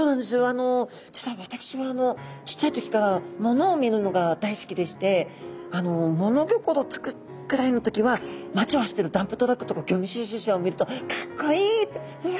あの実は私はちっちゃい時から物を見るのが大好きでしてあの物心つくくらいの時は街を走ってるダンプトラックとかゴミ収集車を見るとかっこいいってうわ！